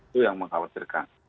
itu yang mengkhawatirkan